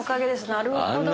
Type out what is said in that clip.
なるほどね。